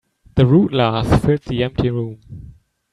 The rude laugh filled the empty room.